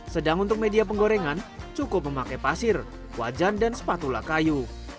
sedang untuk media penggorengan cukup memakai pasir wajan dan sepatula kayu